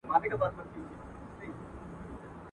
تاسو باید د اصفهان دفاعي دېوالونه ترمیم کړئ.